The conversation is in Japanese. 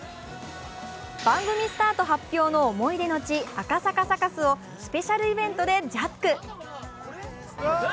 番組スタート発表の思い出の地、赤坂サカスをスペシャルイベントでジャック。